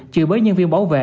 chịu bới nhân viên bảo vệ